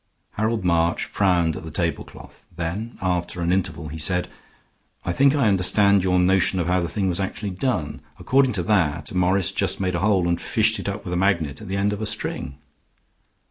Harold March frowned at the tablecloth; then, after an interval, he said: "I think I understand your notion of how the thing was actually done; according to that, Morris just made a hole and fished it up with a magnet at the end of a string.